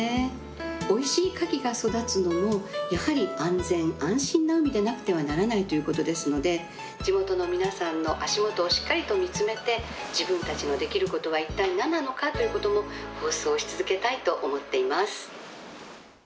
おいしいかきが育つのもやはり安全・安心な海でなくてはならないということですので、地元の皆さんの足元をしっかりと見つめて自分たちのできることは一体何なのかということも放送し続けたいと思っています。